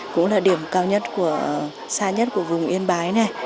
cũng là điểm cao nhất của xa nhất của vùng yên bái này